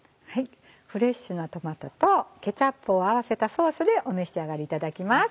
フレッシュなトマトとケチャップを合わせたソースでお召し上がりいただきます。